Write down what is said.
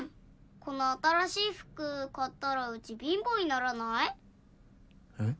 この新しい服買ったらうち貧乏にならない？えっ？